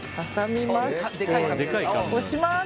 押します！